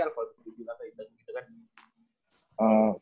kalo gua liat sih di indonesia